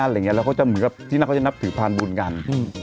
อะไรอย่างเงี้ยแล้วก็จะเหมือนกับที่นั่นก็จะนับถือผ่านบุญกันอืม